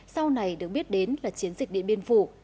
sau này được biết đến là chiến dịch điện biên phủ